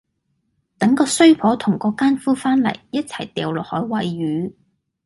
等個衰婆同個姦夫返嚟，一齊掉落海餵魚